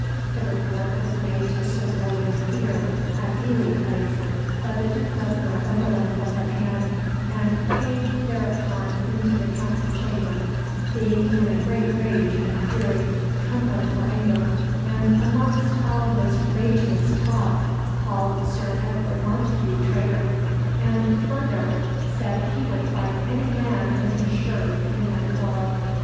The report was made to Sir William Petre at Ely Place; but the Duke of Northumberland was at hand, and came thereupon into the Council chamber, "being in a great rage and fury, trembling for anger, and, amongst all his ragious talk called Sir Edward Montagu traitor, and further said he would fight any man in his shirt in that quarrel."